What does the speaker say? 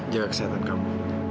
jaga kesehatan kamu